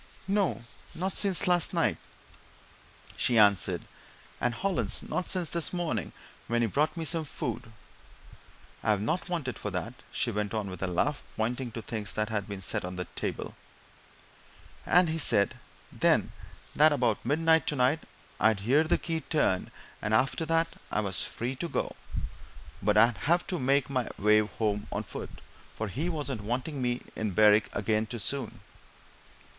"No not since last night," she answered. "And Hollins not since this morning when he brought me some food I've not wanted for that," she went on, with a laugh, pointing to things that had been set on the table. "And he said, then, that about midnight, tonight, I'd hear the key turned, and after that I was free to go, but I'd have to make my way home on foot, for he wasn't wanting me to be in Berwick again too soon."